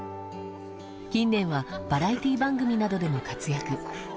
近年はバラエティー番組などでも活躍。